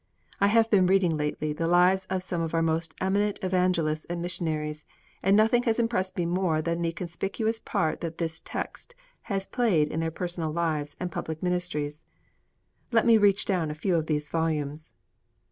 I have been reading lately the lives of some of our most eminent evangelists and missionaries; and nothing has impressed me more than the conspicuous part that this text has played in their personal lives and public ministries. Let me reach down a few of these volumes.